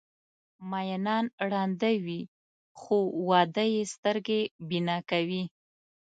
مینان ړانده وي خو واده یې سترګې بینا کوي.